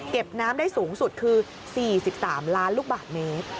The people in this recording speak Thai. น้ำได้สูงสุดคือ๔๓ล้านลูกบาทเมตร